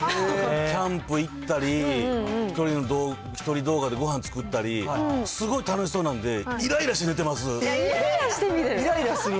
キャンプ行ったり、１人動画でごはん作ったり、すごい楽しそうなんで、いらいらして見る？